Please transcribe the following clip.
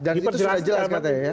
dan itu sudah jelas katanya ya